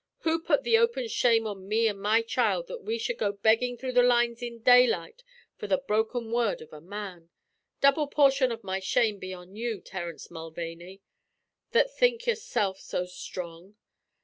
Who put the open shame on me an' my child that we shud go beggin' though the lines in daylight for the broken word of a man? Double portion of my shame be on you, Terence Mulvaney, that think yourself so strong!